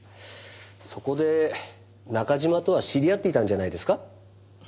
そこで中嶋とは知り合っていたんじゃないですか？